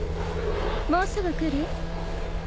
もうすぐ来る？